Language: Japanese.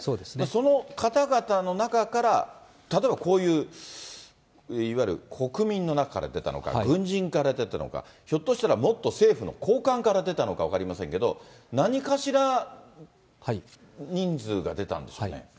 その方々の中から、例えばこういう、いわゆる国民の中から出たのか、軍人から出たのか、ひょっとしたらもっと政府の高官から出たのか分かりませんけど、何かしら人数が出たんでしょうね。